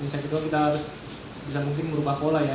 misalnya kita harus bisa mungkin merubah pola ya